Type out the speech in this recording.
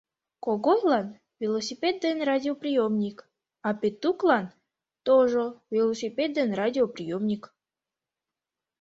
Когойлан — велосипед ден радиоприёмник, а Петуклан — тожо велосипед ден радиоприёмник.